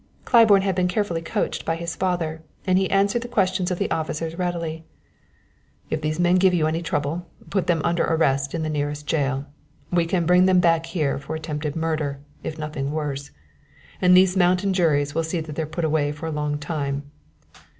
Claiborne had been carefully coached by his father, and he answered the questions of the officers readily: "If these men give you any trouble, put them under arrest in the nearest jail. We can bring them back here for attempted murder, if nothing worse; and these mountain juries will see that they're put away for a long time.